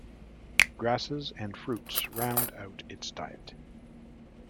Grasses and fruits round out its diet.